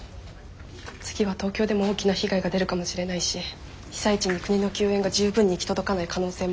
次は東京でも大きな被害が出るかもしれないし被災地に国の救援が十分に行き届かない可能性もある。